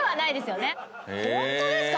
ホントですか？